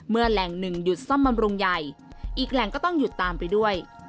แหล่งหนึ่งหยุดซ่อมบำรุงใหญ่อีกแหล่งก็ต้องหยุดตามไปด้วย